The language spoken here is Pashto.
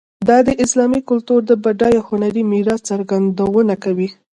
دا د اسلامي کلتور د بډایه هنري میراث څرګندونه کوي.